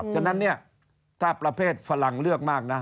ฉะนั้นเนี่ยถ้าประเภทฝรั่งเลือกมากนะ